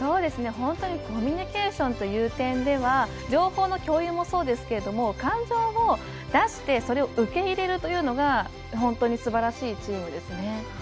本当にコミュニケーションという点では情報の共有もそうですけど感情を出してそれを受け入れるというのが本当にすばらしいチームですね。